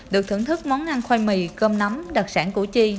được thưởng thức món ăn khoai mì cơm nấm đặc sản củ chi